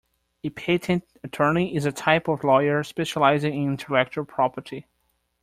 A patent attorney is a type of lawyer specialising in intellectual property